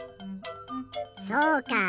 そうか。